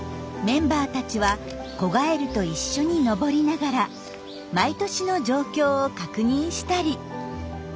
メンバーたちは子ガエルと一緒に登りながら毎年の状況を確認したり。